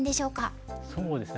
そうですね